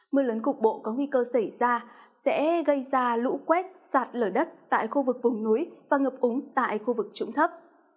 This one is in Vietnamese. mưa lớn cục bộ có nguy cơ xảy ra sẽ gây ra lũ quét sạt lở đất tại khu vực vùng núi và ngập úng tại khu vực trũng thấp